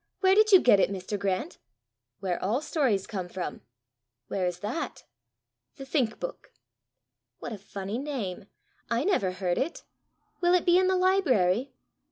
"Where did you get it, Mr. Grant?" "Where all stories come from." "Where is that?" "The Think book." "What a funny name! I never heard it! Will it be in the library?"